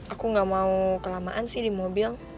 aku gak mau kelamaan sih di mobil